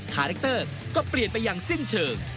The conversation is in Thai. คาแรคเตอร์ก็เปลี่ยนไปอย่างสิ้นเชิง